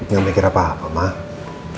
gak mikir apa apa mah